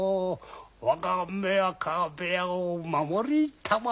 我が梅若部屋を守りたまえ！